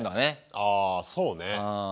あそうね。